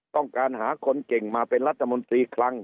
ต้องการหาคนเก่งมาเป็นรัฐมนตรีคลัง